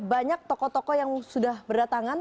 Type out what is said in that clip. banyak toko toko yang sudah berdatangan